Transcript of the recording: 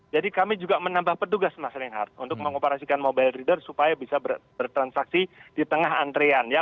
jadi kami juga menambah pedugas mas renhard untuk mengoperasikan mobile reader supaya bisa bertransaksi di tengah antrean ya